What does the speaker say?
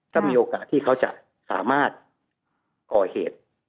ก็มีโอกาสที่เขาจะสามารถก่อเหตุ